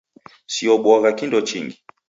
Siobuagha kindo chingi.